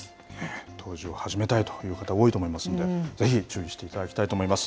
投資を始めたいという方、多いと思いますんで、ぜひ、注意していただきたいと思います。